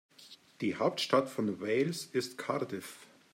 Die Hauptstadt von Wales ist Cardiff.